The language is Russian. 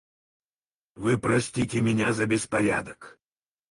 Вы простите меня за беспорядок.